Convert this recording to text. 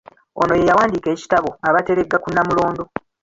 Ono ye yawandiika ekitabo “Abateregga ku Nnamulondo῎